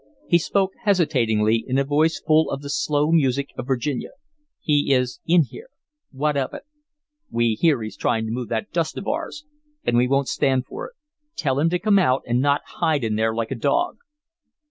He spoke hesitatingly, in a voice full of the slow music of Virginia. "He is in here. What of it?" "We hear he's trying to move that dust of ours and we won't stand for it. Tell him to come out and not hide in there like a dog."